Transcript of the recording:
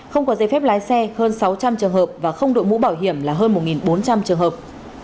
không có giấy phép lái xe hơn sáu trăm linh trường hợp và không đội mũ bảo hiểm là hơn một bốn trăm linh trường hợp